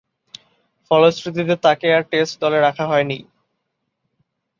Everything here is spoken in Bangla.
ফলশ্রুতিতে তাকে আর টেস্ট দলে রাখা হয়নি।